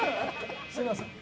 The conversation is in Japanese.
すいません。